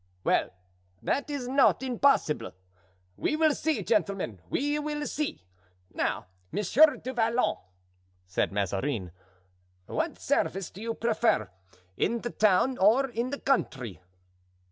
"Well, that is not impossible. We will see, gentlemen, we will see. Now, Monsieur de Vallon," said Mazarin, "what service do you prefer, in the town or in the country?"